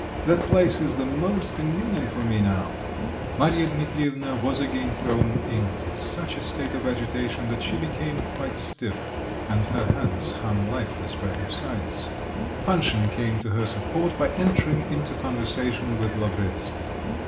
That place is the most convenient for me now." Marya Dmitrievna was again thrown into such a state of agitation that she became quite stiff, and her hands hung lifeless by her sides. Panshin came to her support by entering into conversation with Lavretsky.